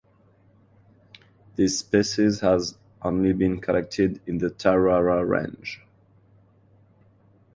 This species has only been collected in the Tararua Range.